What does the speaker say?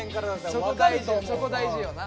そこ大事よな。